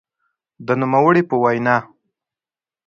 د نوموړي په وینا؛